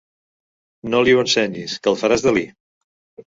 No li ho ensenyis, que el faràs delir.